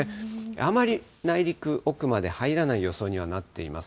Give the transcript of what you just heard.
あまり内陸奥まで入らない予想にはなっています。